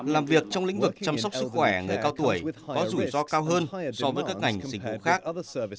làm việc trong lĩnh vực chăm sóc sức khỏe người cao tuổi có rủi ro cao hơn so với các ngành dịch vụ khác